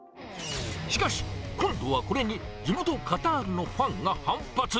しかし、今度はこれに地元カタールのファンが反発。